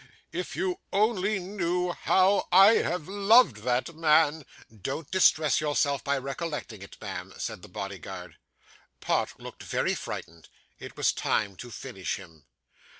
'If you only knew how I have loved that man ' Don't distress yourself by recollecting it, ma'am,' said the bodyguard. Pott looked very frightened. It was time to finish him.